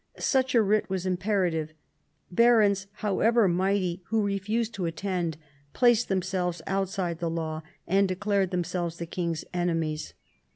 Such a writ was imperative. Barons, however mighty, who refused to attend, placed themselves outside the law and declared themselves the king's enemies.